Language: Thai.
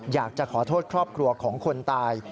อยากจะขอโทษครอบครัวของคนตาย